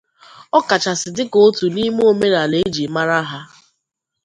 ọ kachasị dịka otu n'ime omenala e jiri mara ha.